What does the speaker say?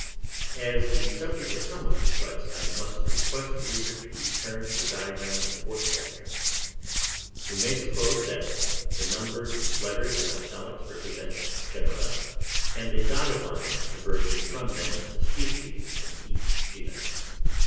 As the subject is somewhat complex, I must request the reader to turn to the diagram in the fourth chapter. We may suppose that the numbered letters in italics represent genera, and the dotted lines diverging from them the species in each genus.